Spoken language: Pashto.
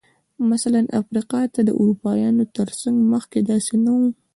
مثلاً افریقا ته د اروپایانو تر تګ مخکې داسې نه و.